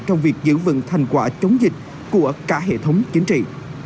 trong việc giữ vững thành quả chống dịch của cả hệ thống chính trị